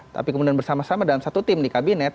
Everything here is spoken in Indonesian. tapi kemudian bersama sama dalam satu tim di kabinet